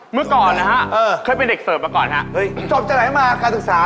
เมื่อก่อนนะฮะเคยเป็นเด็กเสิร์ฟมาก่อนฮะเฮ้ยจบจากไหนมาการศึกษา